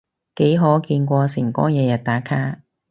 幾可見過誠哥日日打卡？